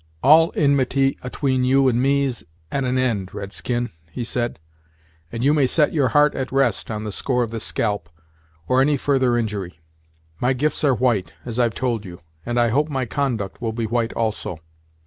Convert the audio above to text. "All inmity atween you and me's at an ind red skin," he said; "and you may set your heart at rest on the score of the scalp, or any further injury. My gifts are white, as I've told you; and I hope my conduct will be white also."